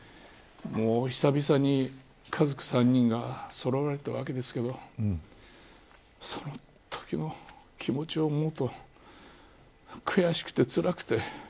久々に家族３人がそろわれたわけですけどそのときの気持ちを思うと悔しくてつらくて。